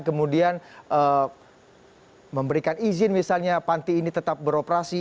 kemudian memberikan izin misalnya panti ini tetap beroperasi